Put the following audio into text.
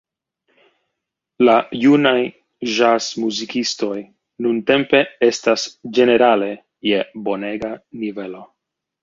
La junaj ĵazmuzikistoj nuntempe estas ĝenerale je bonega nivelo.